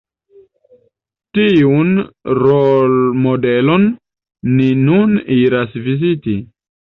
Tiun rolmodelon ni nun iras viziti.